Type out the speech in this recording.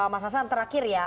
mas hasan terakhir ya